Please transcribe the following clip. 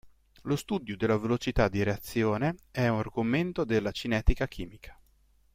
Lo studio della velocità di reazione è argomento della cinetica chimica.